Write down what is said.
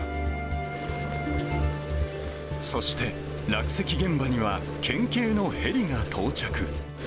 そして落石現場には県警のヘリが到着。